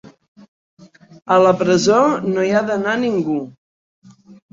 A la presó no hi ha d’anar ningú.